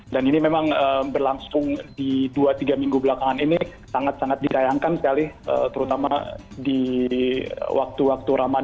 dan ini memang berlangsung di dua tiga minggu belakangan ini sangat sangat ditayangkan sekali terutama di waktu waktu ramadan